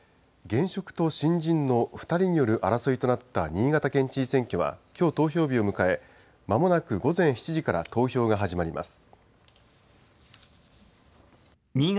現職と新人の２人による争いとなった新潟県知事選挙は、きょう投票日を迎え、まもなく午前７時から投票が始まります。